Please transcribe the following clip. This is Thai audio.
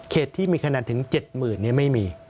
ที่มีคะแนนถึง๗๐๐ไม่มี